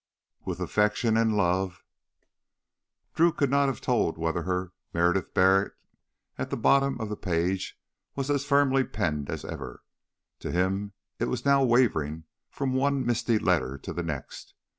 With affection and love, Drew could not have told whether her "Meredith Barrett" at the bottom of the page was as firmly penned as ever. To him it was now wavering from one misty letter to the next.